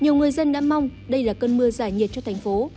nhiều người dân đã mong đây là cơn mưa giải nhiệt cho thành phố